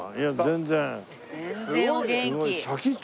全然お元気。